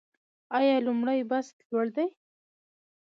آیا لومړی بست لوړ دی؟